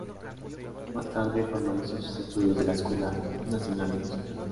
Más tarde, formalizó sus estudios en la Escuela Nacional de Música.